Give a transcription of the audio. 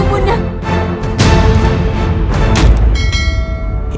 ibunya bangun ibu